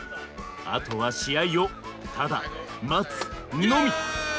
あとは試合をただ・待つ・のみ！